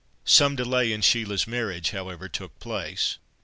Some delay in Sheila's marriage, however, took place.